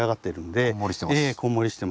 こんもりしてます。